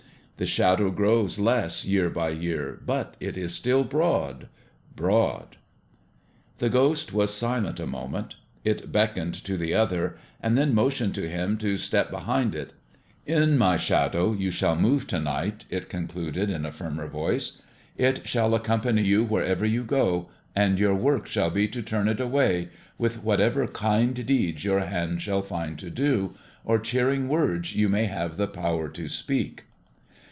The shadow grows less year by year, but it is still broad, broad." The Ghost was silent a moment. It beckoned to the other, and motioned to him to step behind it. "In my Shadow you shall move to night," it concluded, in a firmer voice. "It shall accompany you wherever you go, and your work shall be to turn it away, with whatever kind deeds your hand shall find to do, or cheering words you may have the power to speak."